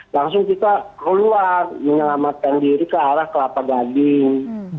langsung kita keluar menyelamatkan diri ke arah kelapa gading